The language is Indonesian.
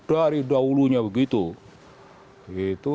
dari dahulunya begitu